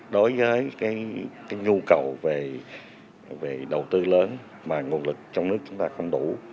đối với cái nhu cầu về đầu tư lớn mà nguồn lực trong nước chúng ta không đủ